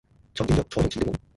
沉澱著彩虹似的夢